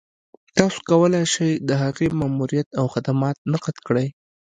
تاسو کولای شئ د هغې ماموريت او خدمات نقد کړئ.